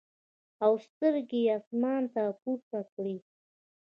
او سترګې ئې اسمان ته پورته کړې ـ